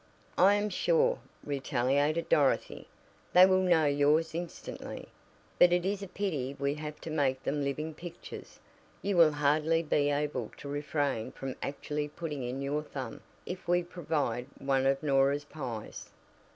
"I am sure," retaliated Dorothy, "they will know yours instantly. But it is a pity we have to make them living pictures. You will hardly be able to refrain from actually putting in your thumb if we provide one of Norah's pies."